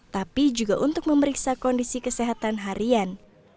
tapi juga untuk memeriksa kondisi kesehatan harian